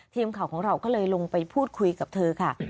ทีมข่าวของเราก็เลยลงไปพูดคุยกับเธอค่ะ